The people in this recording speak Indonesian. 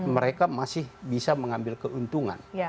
mereka masih bisa mengambil keuntungan